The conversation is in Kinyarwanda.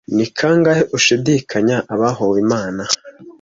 ni kangahe ushidikanya abahowe imana